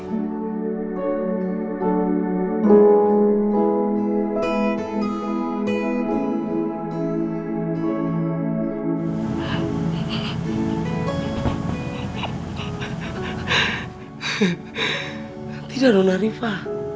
nanti dah nona riva